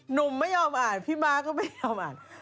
หนุ่มไม่ยอมอ่านพี่ม้าก็ไม่ยอมอ่าน